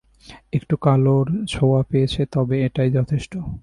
একটু কালোর ছোয়া পেয়েছে, তবে এটাই যথেষ্ট।